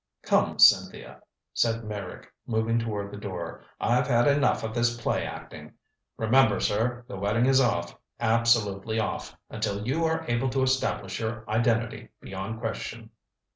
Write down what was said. "Come, Cynthia," said Meyrick, moving toward the door. "I've had enough of this play acting. Remember, sir the wedding is off absolutely off until you are able to establish your identity beyond question."